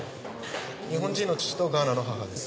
日本人の父とガーナの母です。